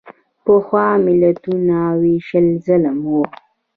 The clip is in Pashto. پخوا ملتونو وېشل ظلم و.